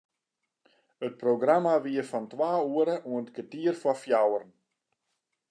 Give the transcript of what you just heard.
It programma wie fan twa oere oant kertier foar fjouweren.